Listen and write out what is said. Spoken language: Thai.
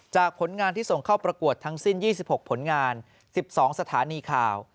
ผลงานที่ส่งเข้าประกวดทั้งสิ้น๒๖ผลงาน๑๒สถานีข่าว